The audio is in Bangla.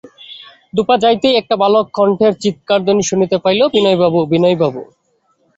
দু পা যাইতেই একটি বালক-কণ্ঠের চীৎকারধ্বনি শুনিতে পাইল, বিনয়বাবু, বিনয়বাবু!